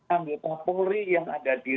anggota polri yang ada di